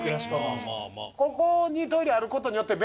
ここにトイレある事によって。